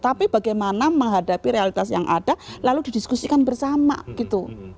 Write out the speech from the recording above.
tapi bagaimana menghadapi realitas yang ada lalu didiskusikan bersama gitu